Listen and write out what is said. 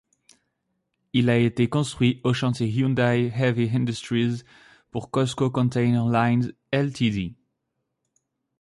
Il a été construit aux chantiers Hyundai Heavy Industries pour Cosco Container Lines Ltd.